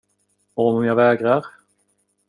Och om jag vägrar?